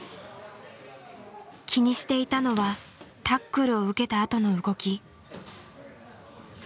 気にしていたのはタックルを受けたあとの動き。